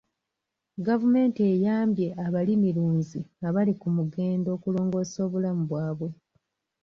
Gavumenti eyambye abalimirunzi abali ku mugendo okulongoosa obulamu bwabwe.